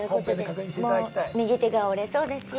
右手が折れそうですよ。